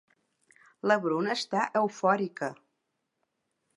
La Bruna està eufòrica.